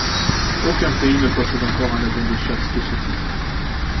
Aucun pays ne possède encore un avion de chasse de ce type.